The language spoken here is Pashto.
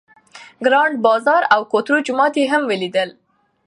ګرانډ بازار او کوترو جومات یې هم ولیدل.